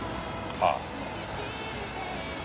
ああ。